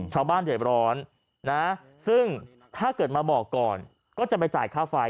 ชาวบ้านเดือดร้อนนะซึ่งถ้าเกิดมาบอกก่อนก็จะไปจ่ายค่าไฟ